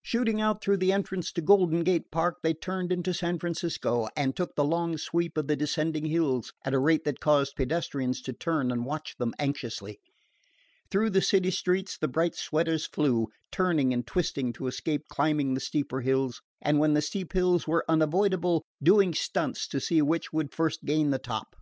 Shooting out through the entrance to Golden Gate Park, they turned into San Francisco, and took the long sweep of the descending hills at a rate that caused pedestrians to turn and watch them anxiously. Through the city streets the bright sweaters flew, turning and twisting to escape climbing the steeper hills, and, when the steep hills were unavoidable, doing stunts to see which would first gain the top.